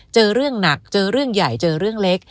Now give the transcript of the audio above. เจอเรื่องหนักเจอเรื่องใหญ่เจอเรื่องเล็ก